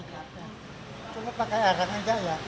cuma pakai arang aja ya